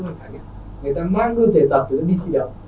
người ta mang đôi giày tập thì đi thi đấu